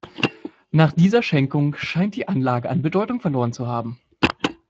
Nach dieser Schenkung scheint die Anlage an Bedeutung verloren zu haben.